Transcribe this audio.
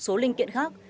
một số linh kiện khác